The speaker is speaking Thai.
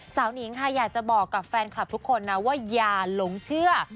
หนิงค่ะอยากจะบอกกับแฟนคลับทุกคนนะว่าอย่าหลงเชื่อ